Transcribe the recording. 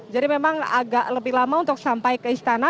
jadi memang agak lebih lama untuk sampai ke istana